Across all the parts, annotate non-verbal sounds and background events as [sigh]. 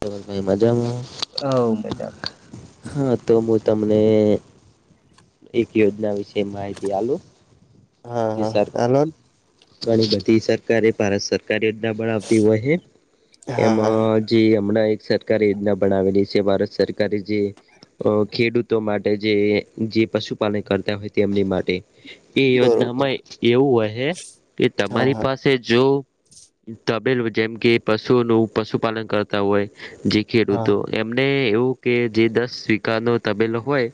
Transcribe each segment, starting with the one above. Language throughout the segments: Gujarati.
ધવલભાઈ મજામાં હવ મજા હા તો મું તમને એક યોજના વિશે માહિતી આલુ હા જે હા સર આલોન ઘણી બધી સરકારે ભારત સરકાર યોજના બણાવતી હોય. હે હા હા એમાં જે હમણાં એક સરકારે યોજના બનાવેલી છે. ભારત સરકારે જે અ ખેડૂતો માટે જે જે પશુપાલન કરતા હોય તેમની માટે એ બરોબર યોજનામાં એવું હોય. કે હા તમારી હા પાસે સે જો તબેલો જેમ કે પશુનું પશુપાલન કરતા હોય. જે હા ખેડૂતો એમને એવું કે જે દસ વીઘાનો તબેલો હોય.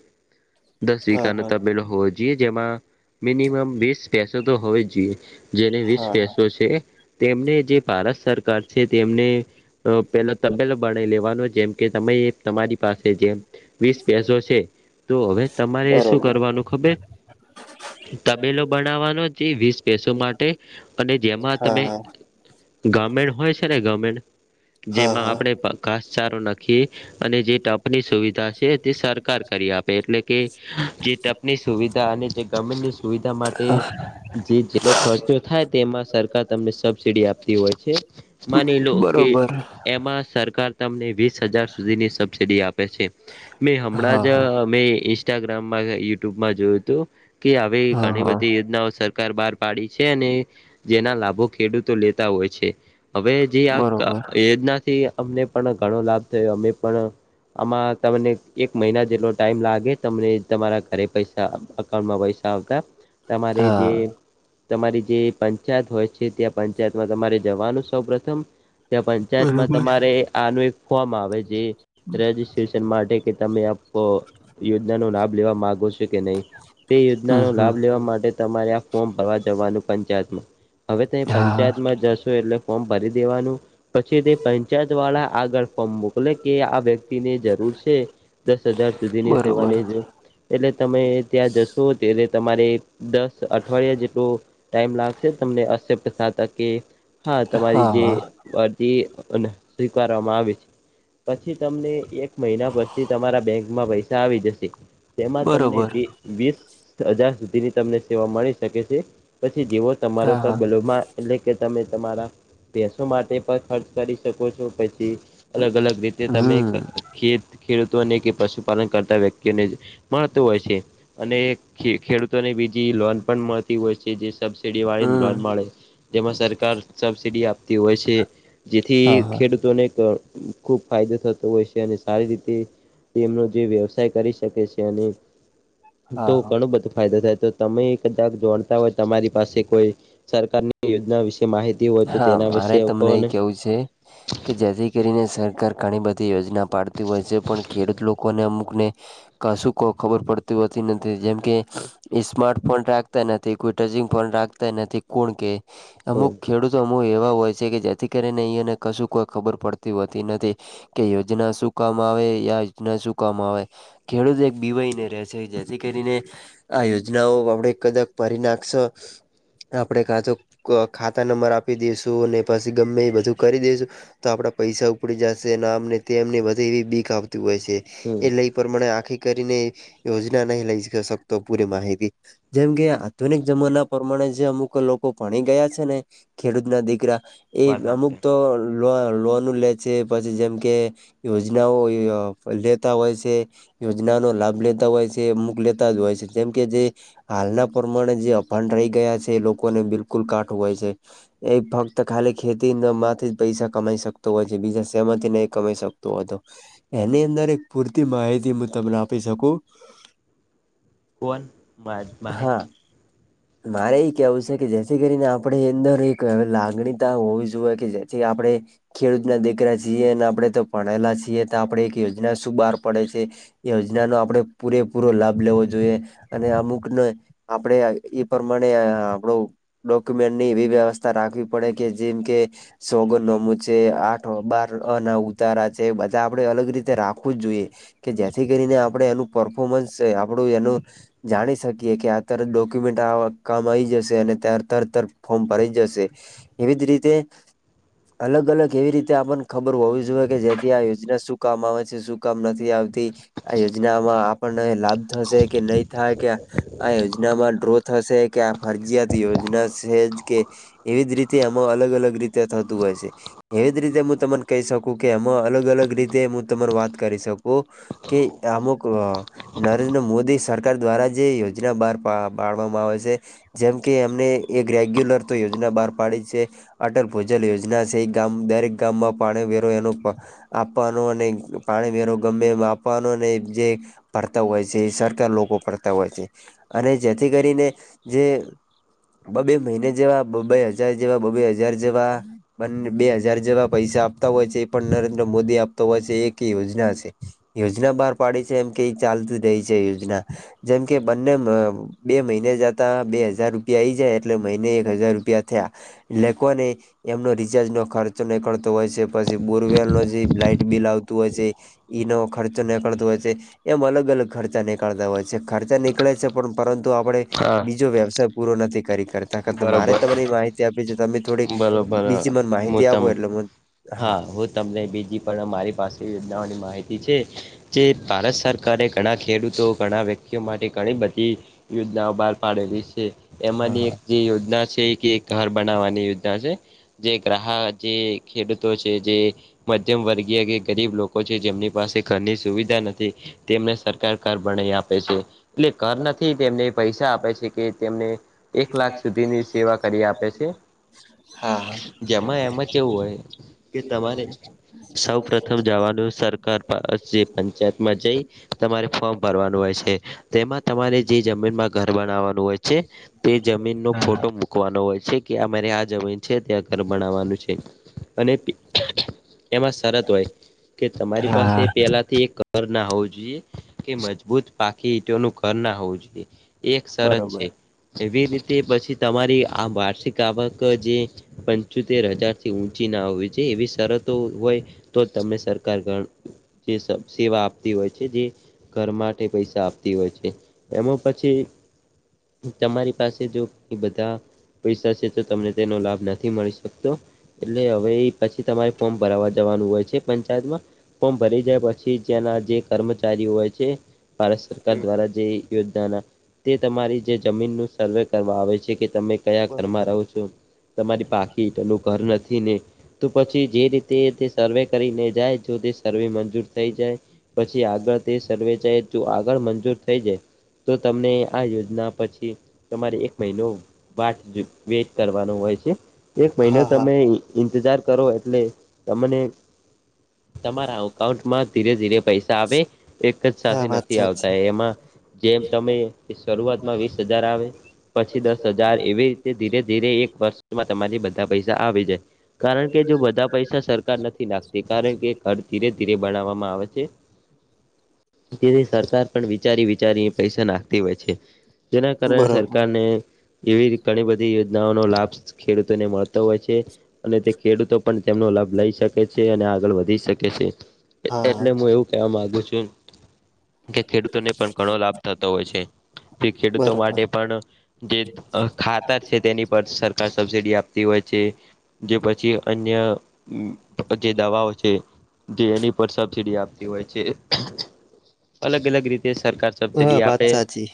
દસ હા વિઘાનો હા તબેલો હોવો જોઈએ. જેમાં મિનિમમ વીસ ભેંસો તો હોવી જ જોઈએ. જેને વીસ હા હા ભેંસો છે. તેમને જે ભારત સરકાર છે. તેમને પેલો તબેલો બનાઈ લેવાનો જેમ કે તમે તમારી પાસે જેમ વિસ ભેંસો છે. તો હવે તમારે શું બરોબર કરવાનું ખબેર તબેલો બનાવાનો જે વિસ ભેંસો માટે અને જેમાં હા તમે હા ગમેણ હોય છે. ને ગમેણ હા જેમાં હા આપણે ઘાસચારો નાખીએ અને જે ટપની સુવિધા છે તે સરકાર કરી આપે એટલે કે જે તપની સુવિધા અને જે ગમેણની સુવિધા માટે જે જેટલો ખર્ચો થાય તેમાં સરકાર તમને સબસીડી આપતી હોય છે. માની લો કે બરોબર એમાં સરકાર તમને વીસ હજાર સુધીની સબસીડી આ પે છે મે હમણાં હા જ હા મેં ઇન્સ્ટાગ્રામ યુટ્યુબમાં જોયું હતું. કે આવી હા ઘણી હા બધી યોજનાઓ સર કાર બહાર પાડી છે અને જેના લાભો ખેડૂતો લેતા હોય છે. હવે જે આ બરોબર યોજનાથી અમને પણ ઘણો લાભ થયો અમે પણ આમાં તમને એક મહિના જેટલો ટાઈમ લાગે તમને તમારા ઘરે પૈસા સા અકાઉન્ટમાં પૈસા આવતા તમારે જે હા તમારી જે પંચાયત હોય છે ત્યાં પંચાયતમાં તમારે જવાનું સૌ પ્રથમ ત્યાં પંચાયતમાં તમારે આનું એક ફોર્મ આવે જે રજિસ્ટ્રેશન માટે કે તમે આપો યોજનાનો લાભ લેવા માંગો છો કે નહીં તે હમ યોજનાનો હમ લાભ લેવા માટે તમારે આ ફોર્મ ભરવા જવાનું પંચાયતમાં હવે તમે હા હા પંચાયતમાં જશો એટલે ફોર્મ ભરી દેવાનું. પછી તે પંચાયત વાળા આગળ ફોર્મ મોકલે કે આ વ્યક્તિને જરૂર છે. દસ હજાર સુધી ની સેવા બરોબર નહી જો એટલે તમે ત્યાં જશો ત્યારે તમારે દસ અઠવાડિયા જેટલો ટાઈમ લાગશે તમને અક્સેપ્ટ થાતા કે હા તમારી જે અરજી અને સ્વીકારવામાં આવી છે. પછી તમને એક મહિના પછી તમારા બેંકમાં પૈસા આવી જશે તેમાં તમને બરોબર વીસ હજાર સુધીની તમને સેવા મળી શકે છે પછી જેવો તમારો હા હા તેલોમાં. એટલે કે તમે તમારા ભેસો માટે પણ ખર્ચ કરી શકો છો પછી અલગ અલગ રીતે તમે હમ ખીર ખેડૂતોને કે પશુપાલન કરતા વ્યક્તિઓને મળતુ હોય છે. અને ખી ખેડૂતોને બીજી લોન પણ મળતી હોય છે જે સબસીડી વાળી લોન હમ મળે. તેમાં સરકાર સબસિડી આપતી છે જેથી હા હા ખેડૂતોને ખૂબ ફાયદો થતો હોય છે અને સારી રીતે તેનો જે વ્યવસાય કરી શકે છે અને તો હા ઘણો બધો ફાયદો થાય તો તમે ક જોણતા હોય તમારી પાસે કોઈ સરકારની યોજના વિશે માહિતી હોય તો હા તેના મારે વિશે કહો તમને એ ને કેવું છે. કે જેથી કરીને સરકાર ઘણી બધી યોજના પાડતી હોય છે ખેડૂત લોકોને અમુકને કશુંક ખબર પડતી હોતી નથી જેમ કે સ્માર્ટ ફોન રાખતા નથી કોઈ ટચિંગ ફોન રાખતા કોણ કે હમ અમુક ખેડૂતો અમુ એવા હોય છે કે જેથી કરીને અહીંયાને કશું કોઈ ખબર પડતી હોતી નથી. કે યોજના શું કામ આવે યાયોજના શું કામ આવે. ખેડૂત એક બીવાઈને રહેશે જેથી કરીને. આ યોજનાઓ આપડ કદાચ કરી નાખશે આપણેે કા તો ખાતુ તા નંબર આપી દઈશું અને પછી ગમે એ બધું કરી દઈશું. તો આપડા પૈસા ઉપડી જશે અને આમને તેમને વધે એવી બીક આવતી હોય છે હમ એ લઈ પ્રમાણે આખી કરીને યોજના નહી લઈ શકતો પૂરી માહિતી જેમ કે આધુનિક જમાના પ્રમાણે જે અમુક લોકો ભણી ગયા છે ને. ખેડૂત ના દીકરા એ વાત અમુક સાચી તો. લો લોનુ લે છે પછી જેમ કે યોજનાઓ અય લેતા હોય છે. યોજનાનો લાભ લેતા હોય છે અમુક લેતા જ હોય છે જેમ કે જે હાલના પ્રમાણે જે અભન રહી ગયા છે એ લોકોને બિલકુલ કાઠ હોય છે. એ ફક્ત ખાલી ખેતી માંથી પૈસા કમાઈ સકતો હોય છે બીજા સમાથી ન એ કમાઈ શકતો. તો હતો એની અંદર એક પૂરતી માહિતી હું તમને આપી શકુ. કોણ બાત બાહિત હા મારે એ કેવું છે કે જેથી કરીને આપડે અંદર એક અ લાગણીતા હોવી જોઈએ કે જેથી આપણે ખેડૂત ના દીકરા છીએ અને આપણે તો ભણેલા છીએ તો આપણેે એક યોજના શું બહાર પડે છે યોજના નો આપણેે પૂરેપૂરો લાભ લેવો જોઈએ અને અમુકને આપડે આઈ ઇ પ્રમાણે આપડો ડોક્યુમેન્ટ ની એવી વ્યવસ્થા રાખવી પડે કે જેમ કે સોગંદ નોમું છે આઠ બાર અ ના ઉતારા છે બધા આપડે અલગ રીતે રાખવું જોઈએ. કે જેથી કરીને આપણે એનું પરફોર્મન્સ છે આપડું એનુ જાણી શકીએ કે આતર ડોક્યુમેન્ટ આ કામ આવી જશે અને ત તરતર ફોર્મ ભરાઈ જશે, એવી જ રીતે અલગ અલગ એવી રીતે આપણને ખબર હોવી જોઈએ કે જેથી આ યોજના શું કામ આવે છે શું કામ નથી આવતી આ યોજનામાં આપણને લાભ થશે કે નહી થાય કે આ યોજનામાં ડ્રો થશે કે આ ફરજીયાત યોજના છેજ કે એવી જ રીતે આમાં અલગ અલગ રીતે થતું હોય છે. એવી જ રીતે હું તમને કહી શકું કે એમાં અલગ અલગ રીતે હું તમર વાત કરી શકું. કે આમુક. નરેન્દ્ર મોદી સરકાર દ્વારા જે યોજના બાર પા પાડવામાં આવે છે. જેમ કે એમને એક રેગ્યુલર તો યોજના બાર પાડી છે. અટલ ભોજલ યોજના છે. એક ગામ દરેક ગામમાં પાણી વેરો એનો પ આપવાનું અને પાણી વેરો ગમે એ આપવાનો અને જે પરતા હોય છે. સરકાર લોકો ભરતા હોય છે અને જેથી કરીને જે બ બે મહિને જેવા બ બે હજાર જેવા બ બે હજાર જેવા બંને બે હજાર જેવા પૈસા આપતા હોય છે એ પન નરેન્દ્ર મોદી આપતો હોય છે એક એ યોજના છે. યોજના બાર પાડી છે એમ કઈ ચાલતું રહી છે યોજના. જેમ કે બંને મ બે મહિને જતા બે હજાર રૂપિયા આઈ જાય એટલે મહિને હજાર રૂપિયા થયા લેકોને એમનો રિચાર્જનો ખર્ચો નીકળતો હોય છે. પછી બોરવેલ નો જે લાાઈટ બિલ આવતું હોય છે. એ નો ખર્ચો નીકરતો હોય છે. એમ અલગ અલગ ખર્ચા નીકળતા હોય છે ખર્ચા નીકળે છે પણ પરંતુ આપણે હા બીજો વ્યવસાય પૂરો નથી કરી કરતા. એના કરતાં મારે બરોબર તમારે માહિતી આપી છે તમે થોડીક બરોબર બીજી મને હું માહિતી આપો તમે એટલે મન હા, હુ તમને બીજી પણ મારી પાસે યોજનાવાડી માહિતી છે. જે ભારત સરકારે ઘણા ખેડૂતો ઘણા વ્યક્તિઓ માટે ઘણી બધી યોજનાઓ બાર પાડેલી છે એમાંની એક જે યોજના છે કે એક ઘર બનાવવાની યોજના છે. જે ગ્રાહા જે ખેડૂતો છે જે મધ્યમ વર્ગીય કે ગરીબ લોકો છે. જેમની પાસે ઘરની સુવિધા નથી. તેમને સરકાર કાર બનાઈ આપે છે. એટલે ઘર નથી તેમને પૈસા આપે છે કે તેમને એક લાખ સુધીની સેવા કરી આપે છે હા હા. જેમાં એમાં કેવું હોય કે તમારે સૌ પ્રથમ જવાનું સર [unintelligible] પંચાયતમાં જઈ તમારે ફોર્મ ભરવાનું હોય છે. તેમાં તમારે જે જમીનમાં ઘર બનાવવાનું હોય છે તે જમીનનો હા ફોટો મુ કવાનો હોય છે કે અમારે આ જમીન છે ત્યાં ઘર બનાવવાનું છે અને પી એમાં શરત હોય કે તમારી પાસે હા પેલાથી એક ઘરનાં હોવું જોઈએ કે મજબૂત પાકી ઈટોનું ઘરનાં હોવું જોઈએ. એક સરસ બરોબર છે. એવી રીતે પછી તમારી આ વાર્ષિક આવક જે પંચોતેર હજારથી ઊંચીના હોવી જો એવી શરતો હોય. તો તમને સરકાર ગણ જે સેવા આપતી હોય છે જે ઘર માટે પૈસા આપતી હોય છે. એમાં પછી તમારી પાસ જો એ બધાં પૈસા છે તો તમને તેનો લાભ નથી મળી શકતો. એટલે હવે પછી તમારે ફોર્મ ભરવા જવાનું હોય છે પંચાયતમાં. ફોર્મ ભરી જાય પછી જેના જે કર્મચારીઓ હોય છે. ભારત સરકાર દ્વારા જે યોજનાના તે તમારી જે જમીનનું સર્વે કરવા આવે છે કે તમે કયા ઘરમાં બરોબર રહો છો. તમારી પાકી ઈંટોનુ ઘર નથી ને તો પછી જે રીતે સર્વે કરીને જાય જો તે સર્વે મંજૂર થઈ જાય. પછી આગળ તે સર્વેચાય તો આગળ મંજૂર થઈ જાય. તો તમને આ યોજના પછી તમારે એક મહિનો વાટ વેટ કરવાનો હોય છે. એક મહિનો હા હા તમે ઇ ઇંતજાર કરો એટલે તમને તમારા અકાઉન્ટમાં ધીરે ધીરે પૈસા ધાબે એક જ સાથે હા વાત નથી આવતા સાચી એમાં. જેમ તમે શરૂઆતમાં વીસ હજાર આવે. પછી દસ હજાર એવી રીતે ધીરે ધીરે એક વર્ષમાં તમારી બધા પૈસા આવી જાય. કે જો બધા પૈસા સરકાર નથી નાખતી કે. ઘ ધીરે ધીરે બનાવવામાં આવે છે. તેથી સરકાર પણ વિચારી વિચારીને પૈસા નાખતી હોય છે જેના કારણે સર. બરોબર એવી ઘણી બધી યોજનાઓ ન લાભ ખેડૂતોને મળતો હોય છે. અને તે ખેડૂતો પણ તેમનો લાભ લઈ શકે છે અને આગળ વધી શકે છે. હા એટલે હું એવું કેવા માંગુ છું. કે ખેડૂતોને પણ ઘણો લાભ થતો હોય છે તે ખેડૂતો બરોબર માટે પણ. જે ખાતર છે તેની પર સરકાર સબસિડી આપતી હોય છે. જે પછી અન્ય જે દવાઓ છે જે એની પર સબસીડી આપ. છે અલગ અલગ રીતે સરકાર હા વાત આપે. સાચી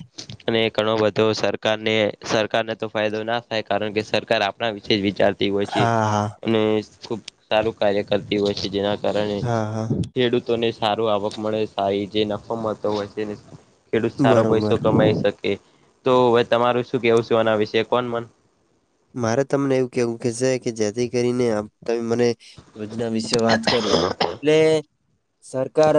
અને ઘણો બધો સર. સરને સરકારને તો ફાયદો ના થાય કારણ કે સરકાર આપણા વિશે જ વિચારતી હોય છે. હા હા અને ખુબ સારું કાર્ય કરતી હોય છે જેના કારણે હા હા ખેડૂત. ને સારું આવક મળે એ જે નફો મળતો હોય છે ખેડૂત સારો પૈસો બરોબર કમાઈ શકે. તો હવે તમારું શું કેવું છેું એના વિશે કોણ મન. મારે તમને એવું કેવું કે છે કે જેથી કરીને. તમે મને યોજના વિશે વાત કરી એટલે સરકાર.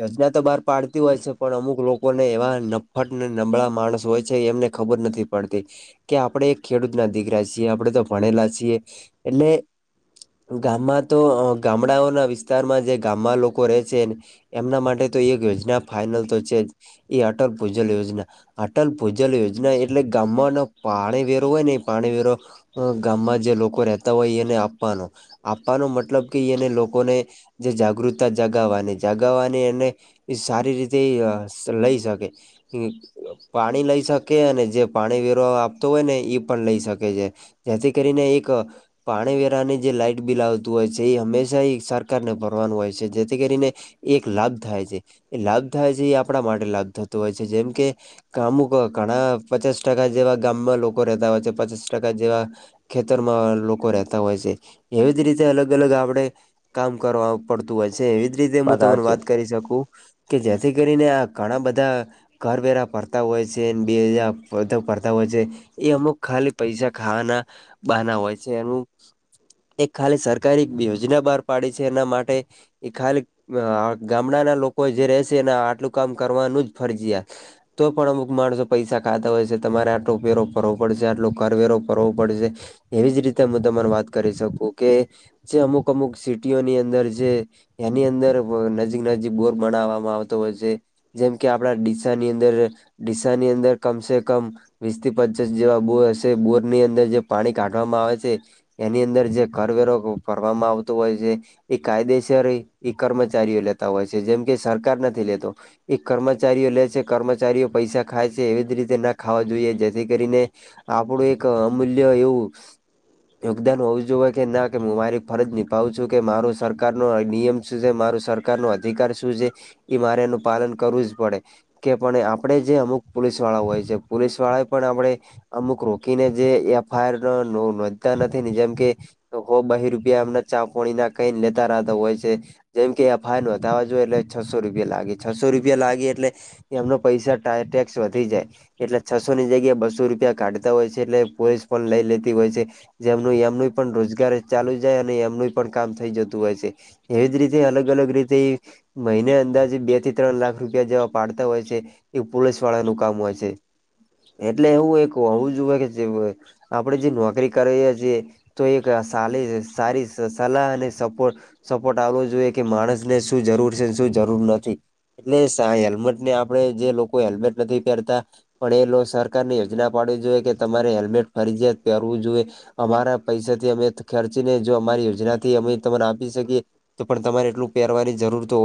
યોજના તો બહાર પાડતી હોય છે પણ અમુક લોકોને નફટ ને નબળા હોય છે એમને ખબર નથીડ. કે આપણે એક ખેડૂત ના દીકરા છીએ આપણે તો ભણેલા છીએ એટલે. ગામમાં તો વિસ્તારમાં ગામમાં લોકો રહે છે. એમના માટે તો એક યોજના ફાઈનલ તો છે જ. એ અટલ ભૂજલ યોજના અટલ ભૂજલ યોજના એટલે ગામનો પાણી વ હોય ને પાણી વેરો ગામમાં જે લોકો રહેતા હોય એને આપવાનો આપવાનો મતલબ કે એને લોકોને જે જાગૃતતા જગાવવાની જગાવવાની એને એ સારી રીતે લઈ શકે. પાણી લઈ શકે અને જે પાણી વેરો આપતો હોય ને એ પણ લઈ શકે છે જેથી કરીને એક પાણી વેરાની જે લાાઈટ બિલ આવતું હોય છે એ હંમેશા એ સરકારને ભરવાનું હોય છે જેથી કરીને એ એક લાભ થાય છે એ લાભ થાય છે એ આપણા માટે લાભ થતો હોય છે જેમ કે કામુ ક ઘણા પચાસ ટકા જેવા ગામમાં લોકો રહેતા હોય છે પચાસ ટકા જેવા ખેતરમાં લોકો રહેતા હોય છે એવી જ રીતે અલગ અલગ આપડે કામ કરવા પડતું હોય છે એવી જ રીતે હું પધાર તમને છે વાત કરી શકું કે જેથી કરીને આ ઘણા બધા ઘર વેરા ભરતા હોય છે બેજા ભરતા હોય છે. એ અમુક ખાલી પૈસા ખાવાના બાના હોય છે એનું એ ખાલી સરકારી યોજના બહાર પાડી છે એના માટે એ ખાલી ગામડાના લોકો જે રહેશે એને આટલું કામ કરવાનું જ ફરજયા. તો પણ અમુક માણસો પૈસા હોય છે તમારે આટો ફેરો ફરવો પડશે આટલો કરવેરો ભરવો પડશે એવી જ રીતે હું તમોને વાત કરી શકું કે જે અમુક અમુક સિટીઓની અંદર જે એની અંદર નજીક નજીક બોર બનાવવામાં આવતો હોય છે. જેમ કે આપણા ડીસાની અંદર ડીસાની અંદર કમસે કમ વીસથી પચાસ જેવા બોર હશે બોરની અંદર જે પાણી કાઢવામાં આવે છે. એની અંદર જે કરવેરો ભરવામાં આવતો હોય છે. એ કાયદેસર એ કર્મચારીઓ લેતા હોય છે જેમ કે સરકાર નથી લેતો. એક કર્મચારીઓ લે છે કર્મચારીઓ પૈસા ખાય છે એવી જ રીતે ના ખાવા જોઈએ જેથી કરીને આપડું એક અમૂલ્ય એવું યોગદાન હોવું જોઈએ કે ના કે મારી ફરજ નિભાવું છું કે મારો સરકારનો નિયમ શું છે મારું સર સરકારનો અધિકાર શું છે ઈ મારે એનું પાલન કરવું જ પડે. કે પણ આપડે જે અમુક પોલીસવાળા હોય છે પોલીસવાળા પણ આપણે અમુક રોકીને જે એફઆઈઆર નોંધતા નથી ને જેમ કે તો કો બહી રૂપિયા એમના ચાંપોણી ના કઈ લેતા રહતા હોય છે. જેમ કે એફઆઈઆર નોધાવા જોય એટલે છસો રૂપિયા લાગે છસો રૂપિયા લાગે એટલે એમનો પૈસા ટાઈ ટેક્સ વધી જાય એટલે છસો છસોની જગ્યા બસો રૂપિયા કાઢતા હોય છે એટલે પોલીસ પણ લઇ લેતી હોય છે. જેમનું એમનું પણ રોજગાર એ ચાલુ જાય અને એમનું એ પણ કામ થઈ જતું હોય છે. એવી જ રીતે અલગ અલગ રીતે મહિને અંદાજે બે થી ત્રણ લાખ રૂપિયા જેવા પાડતા હોય છે એ પોલીસવાળાનું કામ હોય છે. એટલે એવું એક હું હોવું જોઈએ કે જે આપણે જે નોકરી કરી રહ્યા છીએ તો એક સાલી સારી સ સલાહ અને સપોર્ટ સપોર્ટ આલવો જોઈએ કે માણસ ને શું જરૂર છે શું જરૂર નથી. ને સા હેલ્મેટ ને આપણે જે લોકો હેલ્મેટ નથી પહેરતા પણ એ લો સરકારની યોજના પાડવી જોઈએ કે તમારે હેલ્મેટ ફરજયાત પહેરવું જોઈએ. અમારા પૈસાથી અમે ખેર્ચી ને જો અમારી યોજનાથી અમે તમોને આપી શકીએ તો પણ તમારે એટલું પહેરવાની જરૂર તો હોય